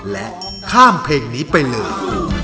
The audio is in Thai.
และข้ามเพลงนี้ไปเลย